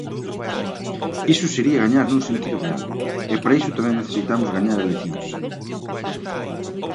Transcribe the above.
Iso sería gañar nun sentido real e para iso tamén necesitamos gañar eleccións.